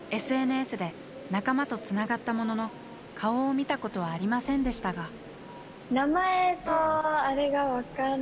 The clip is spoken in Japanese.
ＳＮＳで仲間とつながったものの顔を見たことはありませんでしたが。